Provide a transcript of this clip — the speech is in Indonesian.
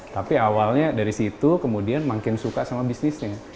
tapi awalnya dari situ kemudian makin suka sama bisnisnya